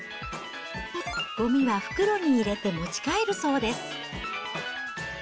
ごみは袋に入れて持ち帰るそうです。